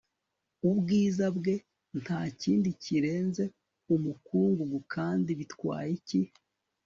ubwiza bwe ntakindi kirenze umukungugu kandi bitwaye iki